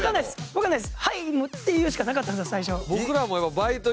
わかんないです。